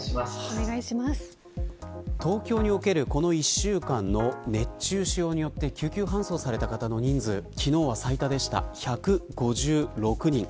東京におけるこの１週間の熱中症によって緊急搬送された方の人数昨日は最多でした、１５６人。